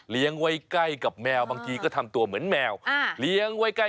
เหล้งไว้ใกล้กับแมวบางทีก็ทำตัวเหมือนแมว